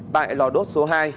tại lò đốt số hai